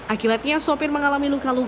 akibatnya sopir mengalami luka luka